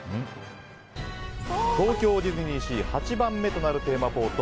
東京ディズニーシー８番目となるテーマポート